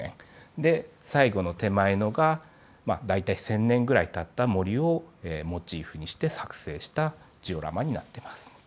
で最後の手前のが大体１，０００年ぐらいたった森をモチーフにして作成したジオラマになってます。